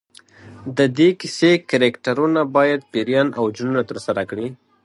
د دې کیسې کرکټرونه باید پیریان او جنونه ترسره کړي.